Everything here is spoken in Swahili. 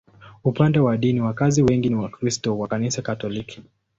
Upande wa dini, wakazi wengi ni Wakristo wa Kanisa Katoliki.